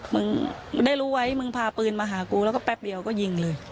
มึงได้รู้ไว้มึงพาปืนมาหากูแล้วก็แป๊บเดียวก็ยิงเลย